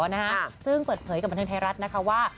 อ๋อนะคะซึ่งเบือดเผยกับบันเทศไทยรัฐนะคะว่า